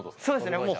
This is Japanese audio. そうですね